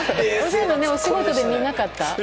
お仕事で見なかった？